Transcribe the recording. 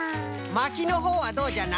まきのほうはどうじゃな？